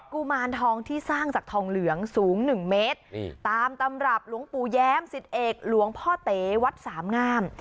กุมารทองที่สร้างจากทองเหลืองสูงหนึ่งเมตรนี่ตามตำรับหลวงปู่แย้มสิบเอกหลวงพ่อเต๋วัดสามงาม